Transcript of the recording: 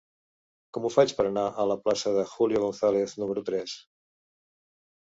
Com ho faig per anar a la plaça de Julio González número tres?